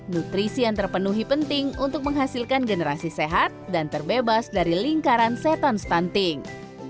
nutrisi yang terpenuhi penting untuk menghasilkan generasi sehat dan terbebas dari lingkaran setan stunting